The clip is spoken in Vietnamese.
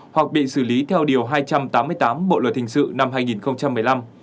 hoặc bị xử lý theo điều hai trăm tám mươi tám bộ luật hình sự năm hai nghìn một mươi năm